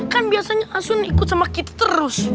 kan biasanya asun ikut sama kita terus